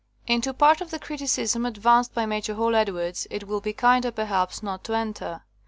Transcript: *^Into part of the criticism advanced by Major Hall Edwards it will be kinder, per haps, not to enter.